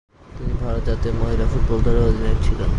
তিনি ভারত জাতীয় মহিলা ফুটবল দলের অধিনায়ক ছিলেন।